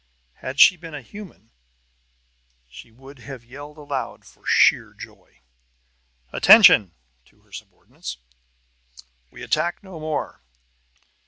Had she been a human she would have yelled aloud for sheer joy. "Attention!" to her subordinates. "We attack no more!